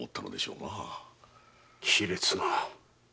卑劣な。